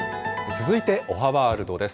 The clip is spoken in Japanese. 続いておはワールドです。